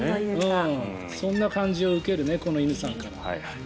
そんな感じを受けるねこの犬さんから。